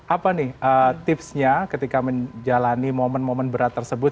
apa nih tipsnya ketika menjalani momen momen berat tersebut